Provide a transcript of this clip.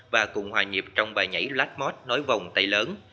và cùng hòa nhịp trong bài nhảy black mod nối vòng tay lớn